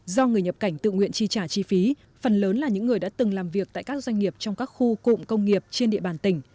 do người nhập cảnh tự nguyện chi trả chi phí phần lớn là những người đã từng làm việc tại các doanh nghiệp trong các khu cụm công nghiệp trên địa bàn tỉnh